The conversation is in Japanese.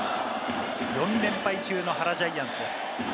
４連敗中の原ジャイアンツです。